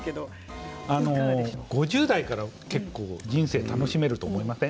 ５０代から結構人生楽しめると思いません？